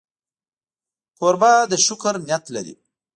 کوربه د شکر نیت لري.